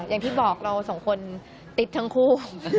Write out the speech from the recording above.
อย่างที่บอกเราสองคนติดทั้งคู่